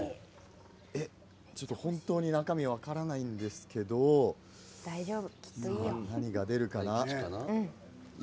本当に中身が分からないんですけれど何が出るかな？